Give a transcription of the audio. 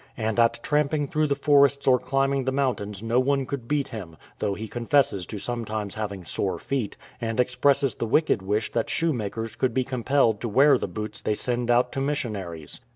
And at tramping through the forests or climbing the mountains no one could beat him ; though he confesses to sometimes having sore feet, and expresses the wicked wish that shoemakers could be compelled to wear the boots they send out to missionaries.